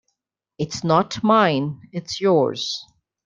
It's not mine; it's yours.